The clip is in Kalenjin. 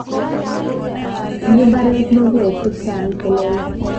tinyei mbare mauek chechang' che lelach